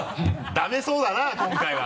ダメそうだな今回は。